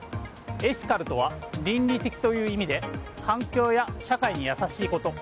エシカルと倫理的という意味で環境や社会に優しいこと。